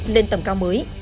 lên tầm cao mới